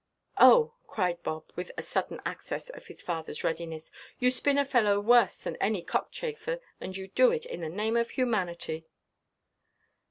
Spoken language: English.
"Oh!" cried Bob, with a sudden access of his fathers readiness—"you spin a fellow worse than any cockchafer, and you do it in the name of humanity!"